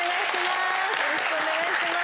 よろしくお願いします。